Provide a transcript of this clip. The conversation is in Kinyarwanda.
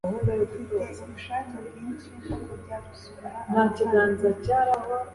Ufite ubushake bwinshi bwo kujya gusura abavandimwe